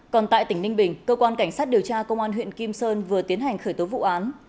còn tại tỉnh ninh bình cơ quan cảnh sát điều tra công an huyện kim sơn vừa tiến hành khởi tố vụ án